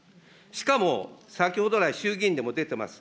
しかも、先ほど来、衆議院でも出てます。